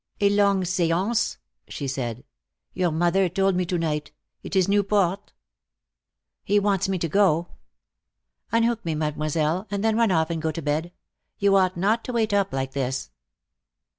"A long seance!" she said. "Your mother told me to night. It is Newport?" "He wants me to go. Unhook me, Mademoiselle, and then run off and go to bed. You ought not to wait up like this."